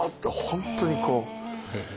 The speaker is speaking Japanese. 本当にこう。